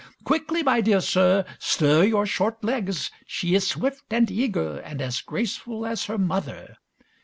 Quickly, my dear Sir! Stir your short legs, she is swift and eager, and as graceful as her mother.